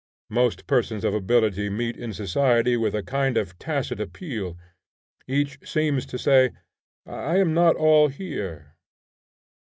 Most persons of ability meet in society with a kind of tacit appeal. Each seems to say, 'I am not all here.'